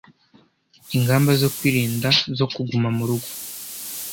Ingamba zo kwirinda zo kuguma murugo